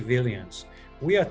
kita menarik teroris